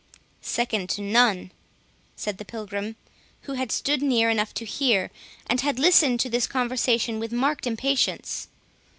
"Second to NONE," said the Pilgrim, who had stood near enough to hear, and had listened to this conversation with marked impatience.